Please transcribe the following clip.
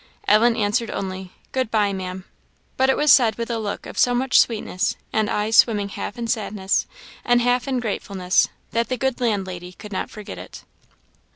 Ellen answered only, "Good bye, Maam;" but it was said with a look of so much sweetness, and eyes swimming half in sadness and half in gratefulness, that the good landlady could not forget it.